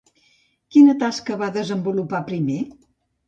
Quina tasca va desenvolupar primer?